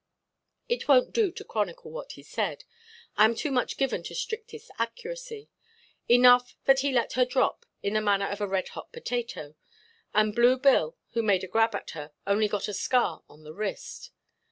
It wonʼt do to chronicle what he said—I am too much given to strictest accuracy; enough that he let her drop, in the manner of a red–hot potato; and Blue Bill, who made a grab at her, only got a scar on the wrist.